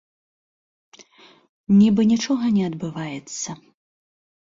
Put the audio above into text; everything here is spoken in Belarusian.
Нібы нічога не адбываецца.